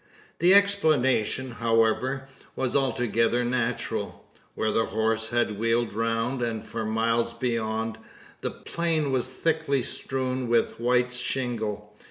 The explanation, however, was altogether natural. Where the horse had wheeled round, and for miles beyond, the plain was thickly strewn with white shingle.